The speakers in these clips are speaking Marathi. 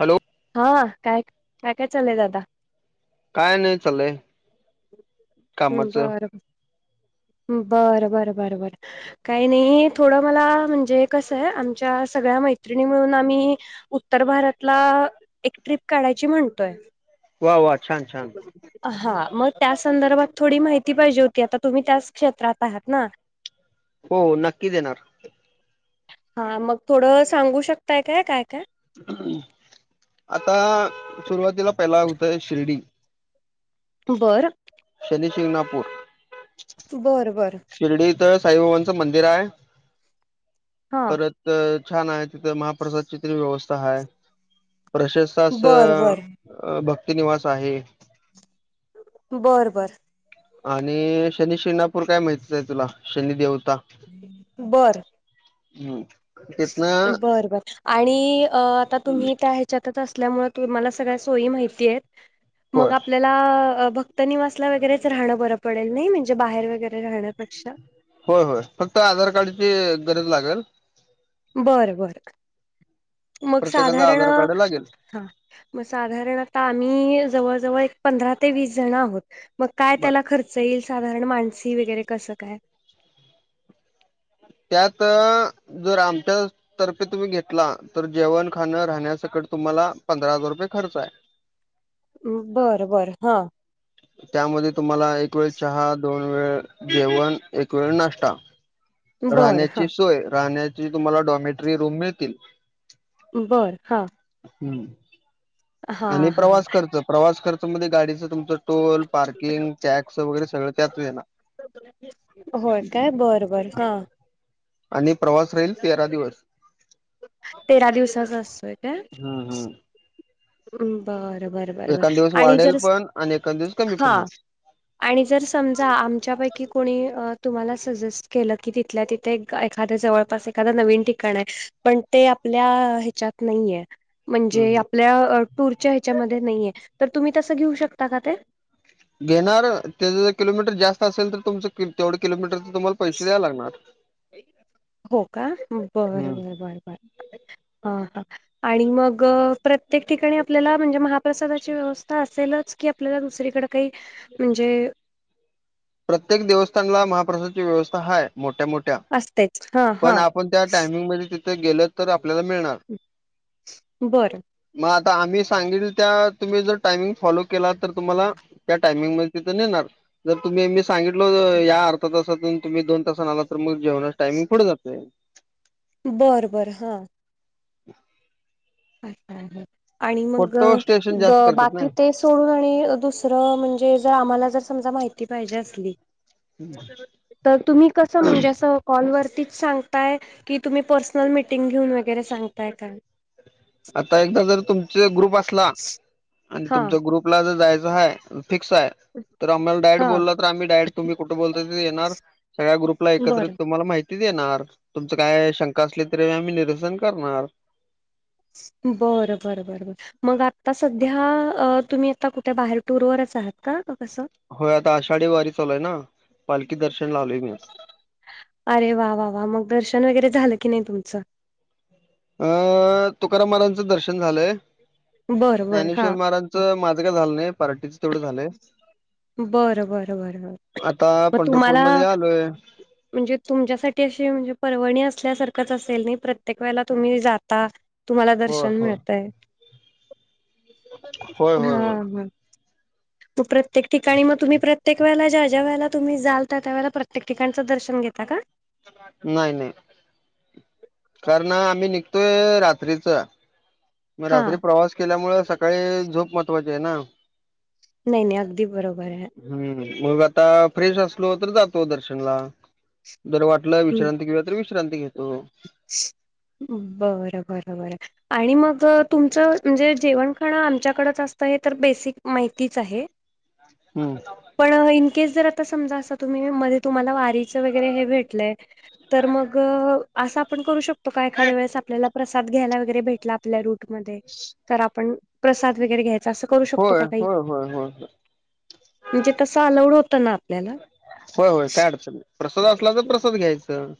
हॅलो हा काय काय काय चालय दादा काय नाही चालय बर बर बर बर बर काही नाही थोडं मला म्हणजे कसंय आमच्या सगळ्या मैत्रिणी मिळून आम्ही उत्तर भारतला एक ट्रिप काढायची म्हणतोय वा वाह छान छान हा मग त्या संदर्भात थोडी माहिती पाहिजे होती आता तुम्ही त्याच क्षेत्रात आहात ना हो नक्कीच येणार हा मग थोडं सांगू शकताय काय काय काय ह् आता सुरुवातीला पहिला होतय शिर्डी बरं शनी शिंगणापूर बरं बरं शिर्डी इथं साईबाबांचं मंदिर आहे हा परत छान आहे तिथं महाप्रसादची तरी व्यवस्था आहे प्रशस् बर असं बर अ भक्ति नििवास आहे बर बरं आणि शनी शिंगणापूर काय माहतीच आहे तुला शनी देेवता बरं हम् बर बर आणि आता तुम्ही त्या ल्याय मा होय भक्तनवासला वगरेच राहणं बरं पडेल नाही म्हणजे बाहेर वगैरे राहण्यापेक्षा होय होय फक्त आधार कार्डची गरज लागेल बर बर मग प्रत्येकाच साधारण आधार कार्ड लागेल मग साधारण आता आम्ही जवळ जवळ एक पंधरा ते वीस जण आहोत. मग काय बर त्याला खर्च येईल साधारण माणस वगैरे कसं काय? त्यात जर आमच्या तर्फे तुम्ही घेतला तर जेवण खाणं राहण्या सकट तुम्हाला पंधरा हजार रुपये खर्च आहे. बरं बरं हा! त्यामध्ये तुम्हाला एक वेळ चहा दोन वेळ जेवण एक वेळ नाष्टा. बरं हां राहण्याची सोय राहण्याची तुम्हाला डॉमेटरी रूम मिळतील. बरं हा! हम्म आणि हां हां प्रवास खर्च प्रवास खर्चमध्ये गाडीचं तुमचं टोल पार्किंग टॅक्स वगैरे सगळं त्यात येणार. होय काय बर बर हा. आणि प्रवास राहील तेरा दिवस. तेरा दिवसाचा असतोय काय? हम् हम्! बरं बर बर बर एखाद दिवस आणि वाढेल जर, पण आणि एखाद दिवस कमी पण हा! होईल. आणि जर समजा आमच्यापैकी कोणी तुम्हाला सजेस्ट केलं की तिथल्या ती थे एखाद जवळपास एखाद नवीन ठिकाण आहे पण ते आपल्या ह्याच्यात नाहीये म्हणजे हम्म. आपल्या टूरच्या ह्याच्यामध्ये नाहीये तर तुम्ही तसं घेऊ शकता का ते? घेणार ते जर किलोमीटर जास्त असेल तर तुमचं तेवढं किलोमीटरच तुम्हाला पैसे द्यायला लागणार. हो का बर बर हम्म. बर बर! हा हा, आणि मग प्रत्येक ठिकाणी आपल्याला म्हणजे महा प्रसादाची व्यवस्था असेलच की आपल्याला दुसरीकडे काही म्हणजे प्रत्येक देवस्थानला महाप्रसादची व्यवस्था हाय मोठ्या मोठ्या असतेच हां पण हां आपण त्या टायमिंग मध्ये तिथ गेल तर आपल्याला मिळणार. बरं! मग आता आम्ही सांगल त्या तुम्ही जर टायमिंग फॉलो केला तर तुम्हाला त्या टायमिंग मध्ये तिथं नेणार. जर तुम्ही मी सांगितलो या अर्धा तासातून तुम्ही दोन तासांन आला तर मग जेवणाच टायमिंग पुढे जातंय. बरं बरं हा! [inaudible] आणि मग फोटो स्टेशन जास्त करतात ना बाकी ते सोडून आणि दुसरं म्हणजे जर आम्हाला जर समजा माहिती पाहिजे असली तर तुम्ही कसं म्हणजे असं कॉल वरतीच सांगताय की तुम्ही पर्सनल मीटिंग घेऊन वगैरे सांगताय का? आता एकदा जर तुमचा ग्रुप असला आणि हा तुमचा ग्रुप पला जायचं हाय फिक्स आहे तर आमला डायरेक्ट हा बोलला आम्ही डायरेक्ट तुम्ही कुठ बोलवताय तिथं येणार सगळ्या ग्रुपला एकत्रित बरं तुम्हाला माहित ती देणार तुमच काय शंका असली तरी आम्ही निरसन करणार. बरं बर बर बर मग आता सध्या तुम्ही आता कुठ बाहेर टूरवरच आहात का कसं? होय आता आषाढी वारी चालूय ना पालखी दर्शन आलोय मी आज. अरे वा वा वा मग दर्शन वगैरे झालं की नाही तुमचं? अ तुकाराम महाराजचं दर्शन झालंय, बरं बरं हा ज्ञानेश्वर महाराज माझं काय झालं नाही पार्टीचं तेवढं झालंय. बरं बरं बरं! आता मग तुम्हाला पंढरपूरमध्ये आलोय म्हणजे तुमच्यासाठी अशी म्हणजे परवणी असल्यासारखंच असेल ना प्रत्येक वेळेला तुम्ही जाता. तुम्हाला होय दर्शन होय मिळतय होय होय हा होय म प्रत्ये प्रत्येक ठिकाणी मग तुम्ही प्रत्येक वेला ज्या ज्या वेळेला तुम्ही जाल त्या वळेला प्रत्येक ठिकाणच दर्शन घेता का? नाही नाही कारण आम्ही निघतोय रात्रीच. म हा रात्री प्रवास केल्यामुळ सकाळी झोप महत्वाची आहे ना. नाही नाही अगदी बरोबर आहे. हम्म मग आता फ्रेश असलो तर जातो दर्शनला जर वाट वाटला हं. विश्रांती घेवुया तर विश्रांती घेतो. बरं बरं बरं. आणि मग तुमचं म्हणजे जेवण खाण आमच्याकडच असत हे तर बेसिक माहितीच आहे. हम्म. पण इनकेस जर आता समजा अस तुम्ही मध्ये तुम्हाला वारीचं वगैरे हे भेटलंय तर मग असं आपण करू शकतो का एखाद्या वेळेस आपल्याला प्रसाद घ्यायला वगैरे भेटला आपल्या रूटमध्ये तर आपण प्रसाद वगैरे घ्यायचा असं करू शकतो का काही? हो हो. म्हणजे तसं अलाऊड होतं ना आपल्याला? होय होय काय अडचन नाही प्रसाद असला तर प्रसाद घ्यायचं.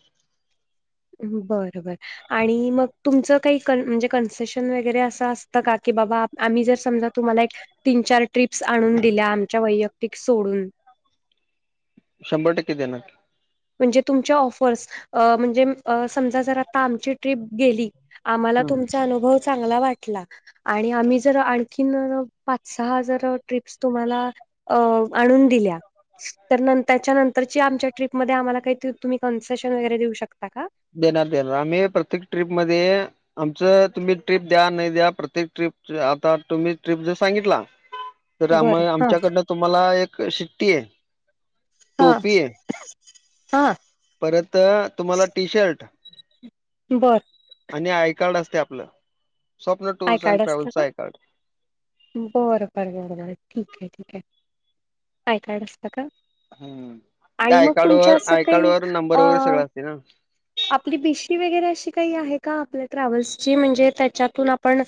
बर बर.. आणि मग तुमचं काही म्हणजे कन्सेशन वगैरे असं असतं का की बाबा आम्ही जर समजा तुम्हाला एक, तीन, चार ट्रिप्स आणून दिल्या आमच्या वैयक्तिक सोडून शंभर टक्के देणार. म्हणजे तुमच्या ऑफर्स म्हणजे समजा जर आता आमची ट्रीप गेली. आम्हाला हम्म तुम अनुभव चांगला वाटला आणि आम्ही जर आणखी पाच, सहा जन ट्रीपस तुम्हाला आणुन दिल्या त्यानंतरची आमची ट्रीप मध्ये आम्हाला काही तुम्ही कन्सेशन वगैरे देऊ शकता का? देणार, देणार आम्ही प्रत्येक ट्रीपमध्ये आमचं तुम्ही ट्रीप द्या नाही द्या प्रत्येक ट्रिप आता तुम्ही ट्रिप जर सांगितला तर आम बरं हा आमच्याकडनं तुम्हाला एक शिट्टी आहे. हा टोपी आहे हा परत तुम्हाला टी शर्ट बरं. आणि आय कार्ड असते आपलं. Swapna I tours and card असतं ट्रॅव्हल्सचा का? I card. बरं बरं बर ठीक आहे, ठीक आहे काय कार्ड असत का? हम्म. त्या आणि आय मग कार्ड तुमच्या वर असं आय कार्ड काही वर नंबर अ वगैरे सगळं असते ना. आपली बीशी वगैरे अशी काही आहे का आपल्या ट्रॅव्हल्सची म्हणजे त्याच्यातून आपण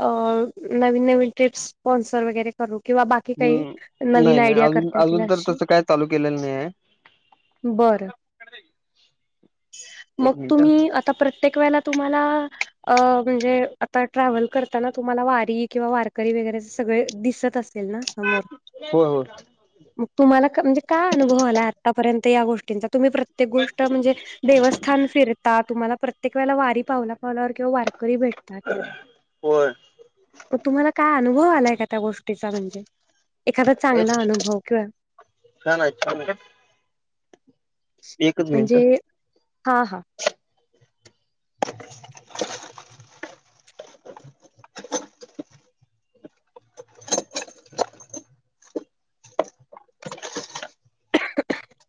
पण नवीन, नवीन ट्रिपह स्पॉन्सर वगैरे किंवा बाकी काही हम्म नवीन नाही नाही आयडिया अजून करता येतील अजून तर अशी तसं काय चालू केलेलं नाही आहे बरं. मग एक मिनिट तुम्ही आता प्रत्येक वेळेला तुम्हाला अ म्हणजे आता ट्रॅव्हल करताना तुम्हाला वारी किंवा वारकरी वगैरे सगळे दिसत असत. असतील ना समोर? हो हो. मग तुम्हाला म्हणजे काय अनुभव आला आतापर्यंत या गोष्टींचा तुम्ही प्रत्येक गोष्ट म्हणजे देवस्थान फिरता तुम्हाला प्रत्येक वेळेला वाट अगदी पावला, पावलावर वारकरी भेटतात. होय तुम्हाला काय अनुभव आलाय का गोष्टीचा म्हणजे? एखादा एक चांगला अनुभव किंवा छान आहे छान आहे. एकच मिनिट म्हणजे हा हा. [inaudible] [inaudible] [unintelligible]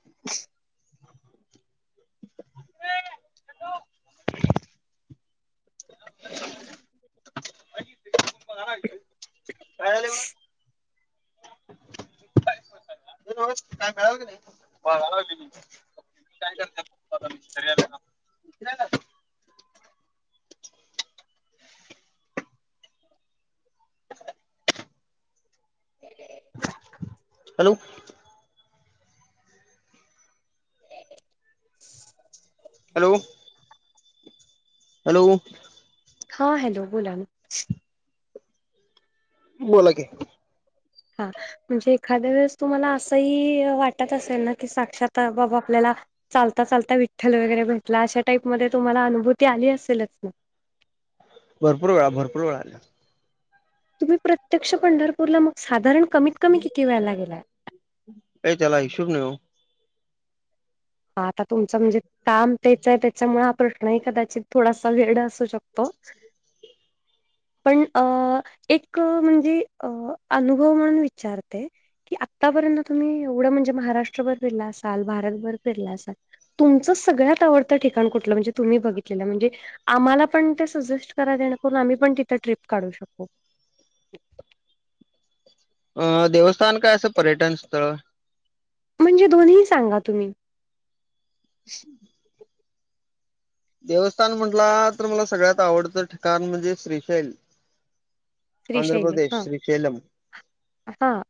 [unintelligible] काय झालं [unintelligible] म्हण काय मिळाल की नाही? काय करनार? घरी आलेलो. हॅलो ह [unintelligible] हॅलो. हॅलो. हो हॅलो बोला ना. तुम्ही बोला की हा. म्हणजे एखाद्या वेळेस तुम्हाला असंही वाटत असेल ना, की साक्षात बाबा आपल्याला चालता चालता विठ्ठल वगैरे भेटला, अशा टाईप मध्ये तुम्हाला अनुभूती आली असेलच ना भरपूर वेळा भरपूर वेळा आलीया. तुम्ही प्रत्यक्ष पंढरपूरला मग साधारण कमीत कमी किती वेळेला गेलाय? काय त्याला हिशोब नाई ओ? हा आता तुमचं म्हणजे काम तेच आहे, त्याच्यामुळे हा प्रश्नही कदाचित थोडासा वेअड असू शकतो. [unintelligible] पण अ एक म्हणजे अ अनुभव म्हणून विचारते. कि आतापर्यंत तुम्ही एवढं म्हणजे महाराष्ट्रभर फिरला असाल, भारतभर फिरला असाल. तुमचं सगळ्यात आवडत ठिकाण कुठलं? म्हणजे तुम्ही बघितलेलं म्हणजे आम्हाला पण ते सजेस्ट करा, जेणेकरून आम्ही पण तिथं ट्रिप काढू शकू. अ देवस्थान काय असं पर्यटन स्थळ? म्हणजे दोन्ही ही सांगा तुम्ही देवस्थान म्हटला, तर मला सगळ्यात आवडतं ठिकाण म्हणजे श्रीशैल. आंध्र त्रिशैली प्रदेश, हां, श्रीशेलम हां.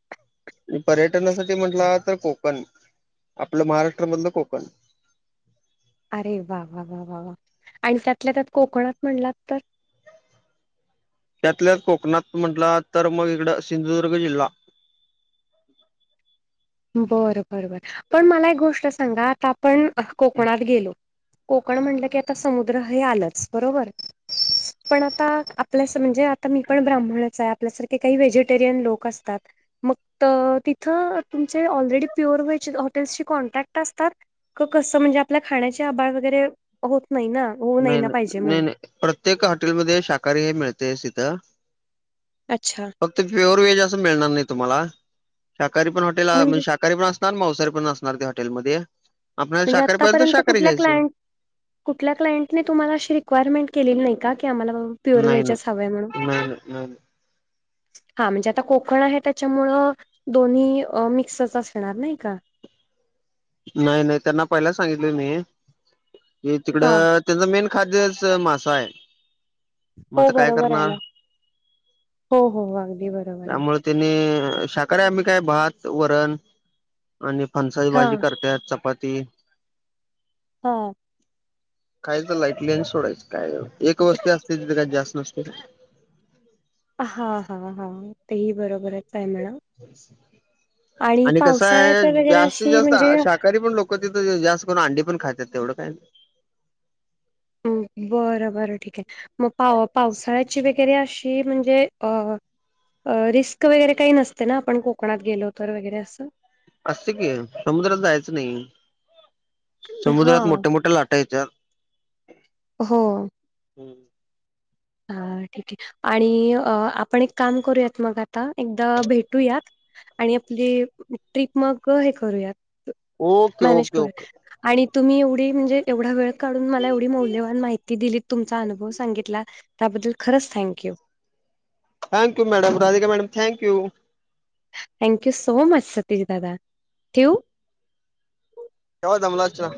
आणि पर्यटनासाठी म्हंटला तर कोकण, आपलं महाराष्ट्रामधलं कोकण अरे वा वा वा वा वा आणि त्यातल्या त्यात कोकणात म्हणलात तर त्यातल्या त्यात कोकणात म्हटला, तर मग इकड सिंधुदुर्ग जिल्हा बर बरं बरं पण मला एक गोष्ट सांगा, आता आपण कोकणात गेलो कोकण म्हणलं की, आता समुद्र हे आलंच बरोबर पण आता प्लस म्हणजे आता मी पण ब्राह्मणच हाय. आपल्यासारखे काही व्हेजिटेरियन लोक असतात. मग त तिथ अ तुमचे ऑलरेडी प्युअर व्हेज हॉटेल्सशी कॉन्टॅक्ट असतात? क कसं म्हणजे, आपल्या खाण्याची आभाळ वगैरे होत नाही ना. होऊ नाही ना पाहिजे नाही नाही म्हणून. नाही, प्रत्येक हॉटेलमध्ये शाकाहारी हे मिळतयच तिथं. अच्छा. फक्त प्युअर व्हेज अस मिळणार नाही. तुम्हाला शाकाहारी पण हॉटेल पण आ म्हणजे शा कारी पण असणार, मावसारी पण असणार त्या हॉटेलमध्ये. आपल्याला म्हणजे शाकाहारी पाहिजे तर आतापर्यंत शाकाहारी कुठल्या घ्यायचं क्लायंट कुठल्या क्लायंटने तुम्हाला अशी रिक्वायरमेंट केलेली नाही का? आम्हाला बाबा प्युअर नाही व्हेजच हवंय म्हणून. नाई नाही नाई नाही हा म्हणजे आता कोकण आहे, त्याच्यामुळं दोन्ही अ मिक्सच असणार नाही का? नाही नाही त्यांना पहिलाच सांगितलोय, मी की हा तिकडं त्याचं मेन खाद्यच अ मासा हाय. म हो आता काय बरोबर आहे करणार? ना हो हो अगदी बरोबर आहे. त्यामुळे तेणि अ शाकाहारी आम्ही काय भात, वरण आणि फनसाची हा भाजी त्यात चपाती हा. खायचं लाईटली अन् सोडायचं, काय एक वस्ती असते तिथे काय जास्त नसते. हा हा हा तेही बरोबरच हाय म्हणा. आणि कस हाय पावसाळ्याच्या वगैरे जास्तीत अशी जास्त म्हणजे आ शाकाहारी पण लोक तिथं जास्त करून अंडी पण खात्यात तेवढं काय नाही. बरं बरं ठीक आहे मग पाव पावसाळ्याची वगैरे अशी म्हणजे अ रिस्क वगैरे काही नसते ना आपण कोकणात गेलो तर वगैरे असं असत की समुद्रात जायचं नाही समुद्रात हां. मोठ्या मोठ्या लाटा येत्यात हो ह ठीक आहे आणि अ आपण एक काम करूयात मग आता एकदा भेटूयात आणि आपली ट्रीप मग हे करूया ओके मॅनेज ओके ओके करूया आणि तुम्ही एवढी म्हणजे एवढा वेळ काढून मला एवढी मौल्यवान माहिती दिली तुमचा अनुभव सांगितला त्याबद्दल खरंच thank you. Thank you madam Radha madam thank you thank you so much Satish दादा ठ्यू याव धमलाजच्या